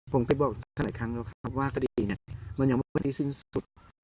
ผมไปบอกท่านอีกครั้งแล้วครับว่าคดีเนี่ยมันยังไม่ค่อยได้สิ้นสุด